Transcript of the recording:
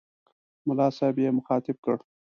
ملا صاحب یې مخاطب کړ.